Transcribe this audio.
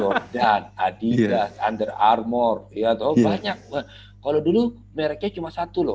jordan adidas under armore ya tau banyak kalau dulu mereknya cuma satu loh